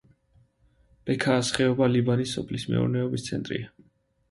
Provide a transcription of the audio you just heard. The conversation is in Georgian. ბექაას ხეობა ლიბანის სოფლის მეურნეობის ცენტრია.